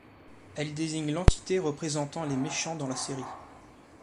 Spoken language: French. Elle désigne l'entité représentant les méchants dans la série.